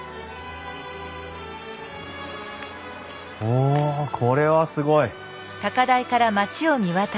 おこれはすごい。